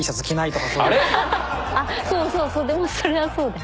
あっそうそうそうでもそれはそうだよ。